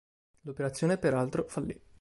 L'operazione peraltro fallì.